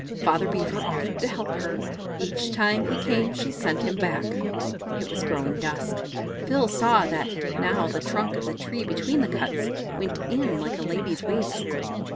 Father Beaver offered to help her; each time he came she sent him back. It was growing dusk; Phil saw that now the trunk of the tree between the cuts went in like a lady's waist.